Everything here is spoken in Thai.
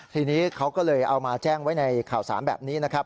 ทีนี้เขาก็เลยเอามาแจ้งไว้ในข่าวสารแบบนี้นะครับ